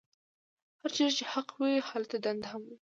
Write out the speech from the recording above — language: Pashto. هرچېرې چې حق وي هلته دنده هم وي.